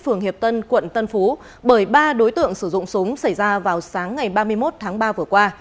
phường hiệp tân quận tân phú bởi ba đối tượng sử dụng súng xảy ra vào sáng ngày ba mươi một tháng ba vừa qua